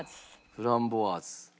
フランボワーズ。